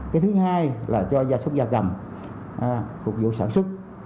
cái thứ hai là cho gia súc gia cầm phục vụ sản xuất